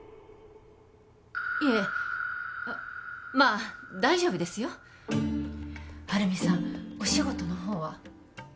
いえまあ大丈夫ですよ晴美さんお仕事のほうは？